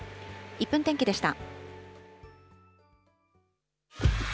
１分天気でした。